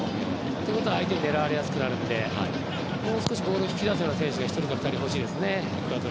ということは相手に狙われやすくなるのでボールを引き出す選手が１人か２人欲しいですね。